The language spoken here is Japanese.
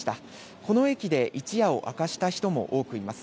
この駅で一夜を明かした人も多くいます。